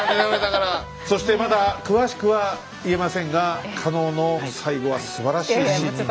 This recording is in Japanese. そしてまだ詳しくは言えませんが加納の最後はすばらしいシーンになる。